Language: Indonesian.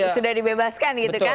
karena sudah dibebaskan ya